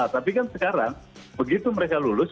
tapi kan sekarang begitu mereka lulus